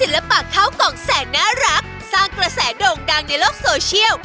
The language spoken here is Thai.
ปากข้าวกล่องแสนน่ารักสร้างกระแสโด่งดังในโลกโซเชียล